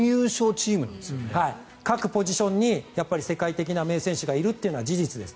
各ポジションに世界的な名選手がいるのは事実です。